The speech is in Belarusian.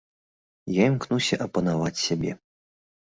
Я імкнуся апанаваць сябе.